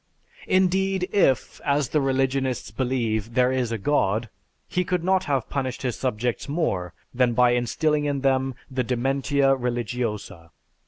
Indeed if, as the religionists believe, there is a god, he could not have punished his subjects more than by instilling in them the "dementia religiosa."